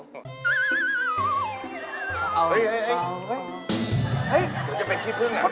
มันจะเป็นขี้พึ่งนะ